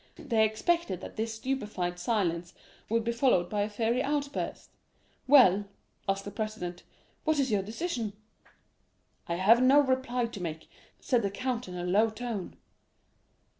They expected that his stupefied silence would be followed by a fiery outburst. 'Well,' asked the president, 'what is your decision?' 40206m "'I have no reply to make,' said the count in a low tone.